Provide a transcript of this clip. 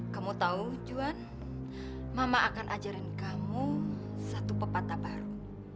kamu tahu juan mama akan ajarin kamu satu pepatah baru